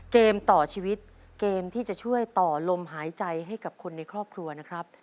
เกมต่อชีวิตเกมที่จะช่วยต่อลมหายใจให้กับคนในครอบครัวนะครับ